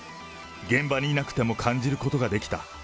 現場にいなくても感じることができた。